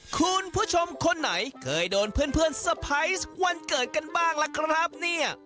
คุณผู้ชมคนไหนเคยโดนเพื่อนสะพ้ายสวันเกิดกันบ้างล่ะครับเนี่ย